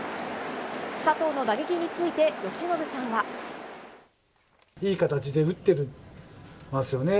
佐藤の打撃について、由伸さんは。いい形で打ってますよね。